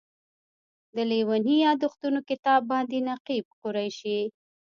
د لېوني یادښتونو کتاب باندې نقیب قریشي.